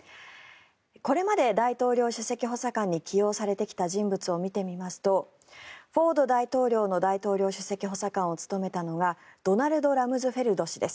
これまで大統領首席補佐官に起用されてきた人物を見ていきますとフォード大統領の大統領首席補佐官を務めたのがドナルド・ラムズフェルド氏です。